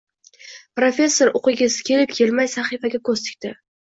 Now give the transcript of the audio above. Professor o`qigisi kelib-kelmay sahifaga ko`z tikdi